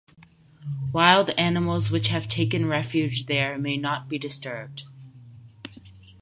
Wild animals which have taken refuge there may not be disturbed.